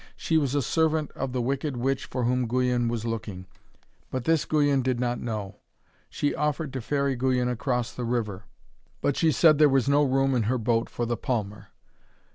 She was a servant of the wicked witch for whom Guyon was looking, but this Guyon did not know. She offered to ferry Guyon across the river, but she said there was no room in her boat for the palmer.